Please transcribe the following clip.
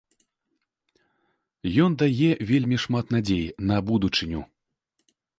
Ён дае вельмі шмат надзей на будучыню.